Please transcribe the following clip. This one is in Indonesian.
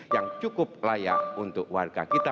yang cukup layak untuk warga kita